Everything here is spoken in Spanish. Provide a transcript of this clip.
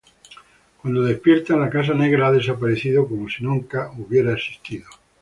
Cuando despiertan, la Casa Negra ha desaparecido como si nunca hubiera existido.